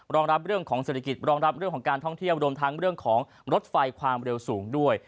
รองรับเรื่องของเศรษฐคิดของการท่องเทียบรวมทางเรื่องของรถไฟความเร็วสูงด้วย